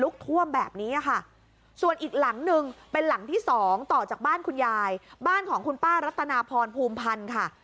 ของต่อจากบ้านคุณยายบ้านของคุณป้ารัฐนาพรภูมิพันธ์ค่ะ